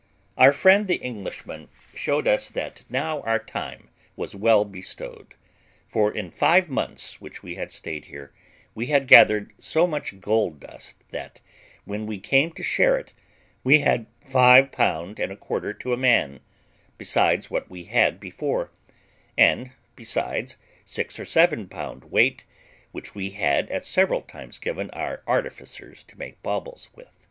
Our friend the Englishman showed us that now our time was well bestowed, for in five months which we had stayed here, we had gathered so much gold dust that, when we came to share it, we had five pound and a quarter to a man, besides what we had before, and besides six or seven pound weight which we had at several times given our artificer to make baubles with.